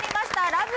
『ラブ！！